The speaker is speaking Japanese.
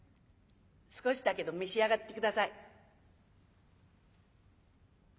少しだけど召し上がって下さい」。